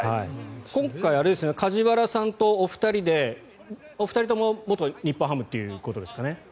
今回梶原さんとお二人でお二人とも元日本ハムということですかね？